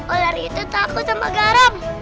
ular itu takut sama garam